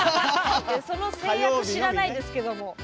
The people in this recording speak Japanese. その制約知らないんですけども。